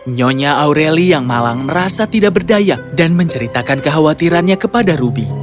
nyonya aureli yang malang merasa tidak berdaya dan menceritakan kekhawatirannya kepada ruby